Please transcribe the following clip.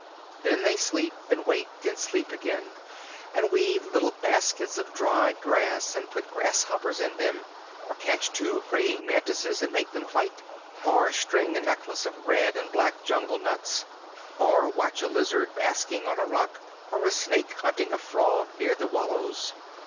Then they sleep and wake and sleep again, and weave little baskets of dried grass and put grasshoppers in them; or catch two praying mantises and make them fight; or string a necklace of red and black jungle nuts; or watch a lizard basking on a rock, or a snake hunting a frog near the wallows.